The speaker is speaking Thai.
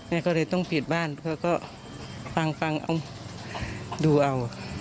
แม่ก็เลยต้องปิดบ้านเขาก็ฟังฟังเอาดูเอา